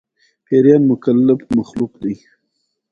پيريان مکلف مخلوق دي